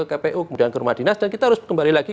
kpu kemudian ke rumah dinas dan kita harus kembali lagi